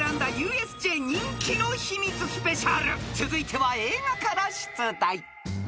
［続いては映画から出題］